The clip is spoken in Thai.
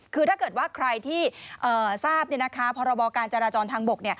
คือถ้าเกิดว่าใครที่ทราบพรบการจราจรทางบก